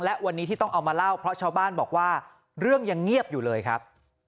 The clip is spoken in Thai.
และวันนี้ที่ต้องเอามาเล่าเพราะชาวบ้านบอกว่าเรื่องยังเงียบอยู่เลยครับ